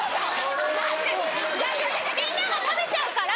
みんなが食べちゃうから。